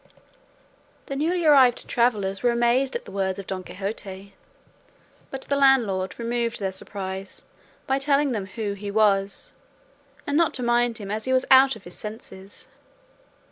The newly arrived travellers were amazed at the words of Don Quixote; but the landlord removed their surprise by telling them who he was, and not to mind him as he was out of his senses.